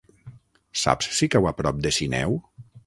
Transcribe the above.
Saps si cau a prop de Sineu?